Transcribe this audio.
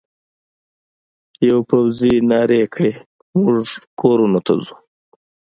یوه پوځي نارې کړې: موږ کورونو ته ځو.